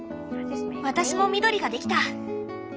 私も緑ができた！